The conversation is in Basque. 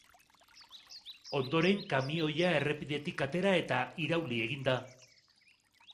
Ondoren kamioia errepidetik atera eta irauli egin da.